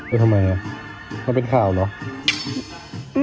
เออทำไมอ่ะแล้วเป็นข่าวเหรอ